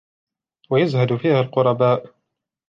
وَيَزْهَدُ فِيهَا الْقُرَبَاءُ